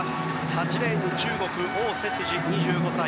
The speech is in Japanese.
８レーン、中国オウ・セツジ、２５歳。